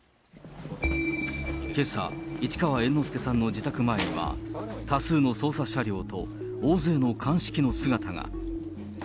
けさ、市川猿之助さんの自宅前には、多数の捜査車両と大勢の鑑識の姿が。